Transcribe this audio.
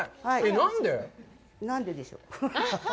何ででしょう？